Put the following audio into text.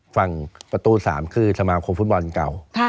ฝั่งประตู๓คือสมาคมฟุตบอลเก่า